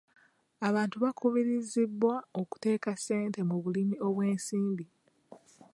Abantu bakubirizibwa okuteeka ssente mu bulimi obw'ensimbi.